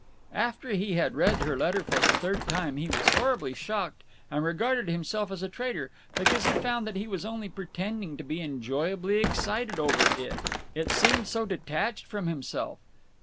After he had read her letter for the third time he was horribly shocked and regarded himself as a traitor, because he found that he was only pretending to be enjoyably excited over it…. It seemed so detached from himself.